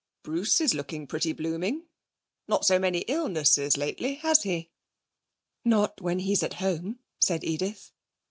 'Bruce is looking pretty blooming. Not so many illnesses lately has he?' 'Not when he's at home,' said Edith.